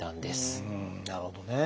なるほどね。